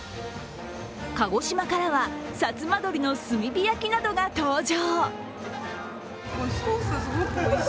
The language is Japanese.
鹿児島からは、さつま鶏の炭火焼きなどが登場。